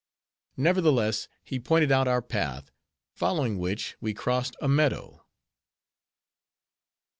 Nevertheless, he pointed out our path; following which, we crossed a meadow.